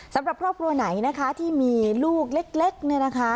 สำหรับครอบครัวไหนนะคะที่มีลูกเล็กเนี่ยนะคะ